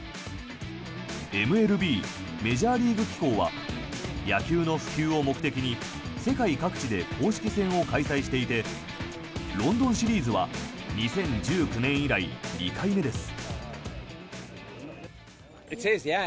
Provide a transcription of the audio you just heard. ＭＬＢ・メジャーリーグ機構は野球の普及を目的に世界各地で公式戦を開催していてロンドンシリーズは２０１９年以来２回目です。